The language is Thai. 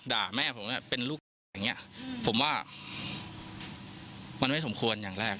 ด่าแม่ผมเป็นอย่างเงี้ยผมว่ามันไม่สมควรอย่างแรก